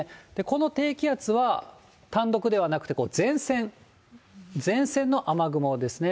この低気圧は単独ではなくて、前線、前線の雨雲ですね、